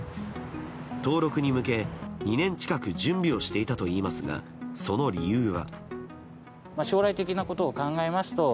登録に向け、２年近く準備をしていたといいますがその理由は。